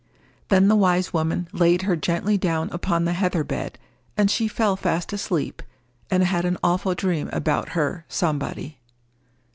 Then the wise woman laid her gently down upon the heather bed, and she fell fast asleep, and had an awful dream about her Somebody.